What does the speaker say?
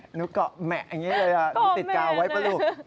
หนูเกาะแหมะอย่างนี้เลยหนูติดกาวไว้ป่ะลูก